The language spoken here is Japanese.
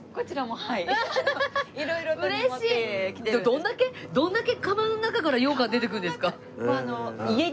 どんだけどんだけかばんの中から羊羹出てくるんですか？